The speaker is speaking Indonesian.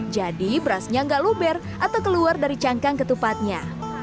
jadi berasnya nggak luber atau keluar dari cangkang ketupatnya